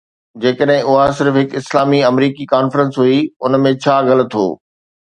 جيڪڏهن اها صرف هڪ اسلامي آمريڪي ڪانفرنس هئي، ان ۾ ڇا غلط هو؟